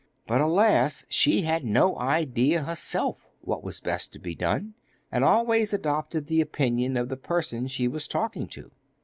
But, alas! she had no idea herself what was best to be done, and always adopted the opinion of the person she was talking to.